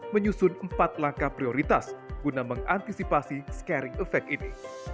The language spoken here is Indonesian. menyusun empat langkah prioritas guna mengantisipasi scaring effect ini